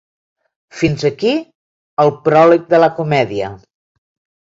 Fins aquí el pròleg de la comèdia.